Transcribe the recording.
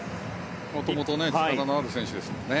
もともと力のある選手ですね。